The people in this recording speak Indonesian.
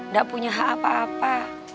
gak punya hak apa apa